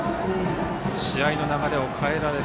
試合の流れを変えられる。